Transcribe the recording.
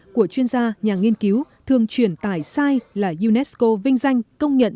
của chuyên gia nhà nghiên cứu thường truyền tải sai là unesco vinh danh công nhận